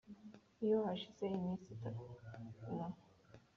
iyo hashize iminsi itanu